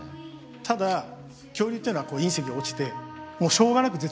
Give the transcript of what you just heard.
ただ恐竜っていうのは隕石が落ちてしょうがなく絶滅してます。